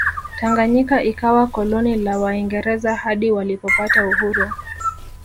tanganyika ikawa koloni la waingereza hadi walipopata uhuru